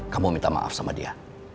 kamu minta maaf sama dia